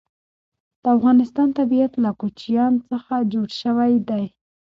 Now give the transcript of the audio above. د افغانستان طبیعت له کوچیان څخه جوړ شوی دی.